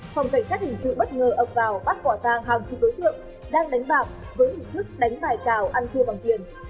phòng cảnh sát hành dự bất ngờ ốc vào bắt quả tàng hàng chục đối tượng đang đánh bạc với hình thức đánh bài cào ăn thua bằng tiền